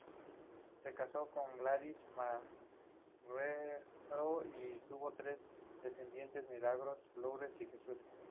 Se casó con Gladys Marrero y tuvo tres descendientes: Milagros, Lourdes y Jesús.